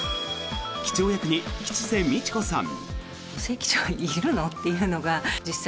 機長役に吉瀬美智子さん。